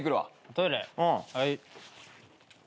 トイレはい。